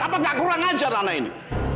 apakah kurang ajar anak ini